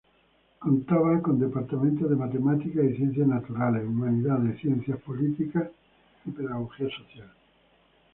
Contaba con departamentos de Matemáticas y Ciencias Naturales, Humanidades, Ciencias Políticas y Pedagogía Social.